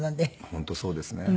本当そうですね。